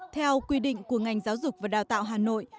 theo quy định của ngành giáo dục và đào tạo hà nội